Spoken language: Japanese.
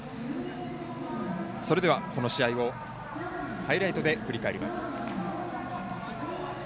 それでは、この試合をハイライトで振り返ります。